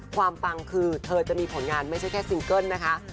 ปังคือเธอจะมีผลงานไม่ใช่แค่ซิงเกิ้ลนะคะ